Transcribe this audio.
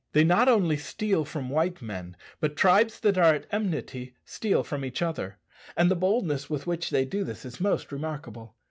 They not only steal from white men, but tribes that are at enmity steal from each other, and the boldness with which they do this is most remarkable.